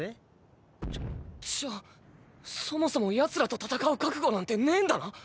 じゃじゃあそもそもヤツらと戦う覚悟なんてねぇんだな